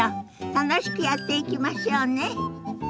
楽しくやっていきましょうね。